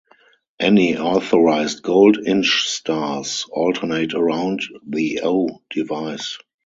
Any authorized gold Inch Stars alternate around the "O" device.